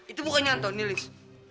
itu bukannya antoni liz